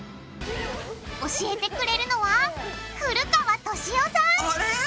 教えてくれるのは古川登志夫さん！